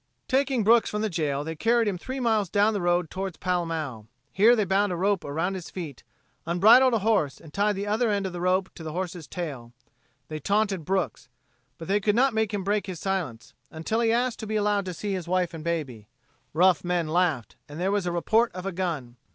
Taking Brooks from the jail they carried him three miles down the road toward Pall Mall. Here they bound a rope around his feet, unbridled a horse and tied the other end of the rope to the horse's tail. They taunted Brooks. But they could not make him break his silence, until he asked to be allowed to see his wife and baby. Rough men laughed, and there was the report of a gun.